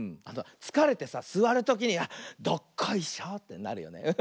つかれてさすわるときにどっこいしょってなるよね。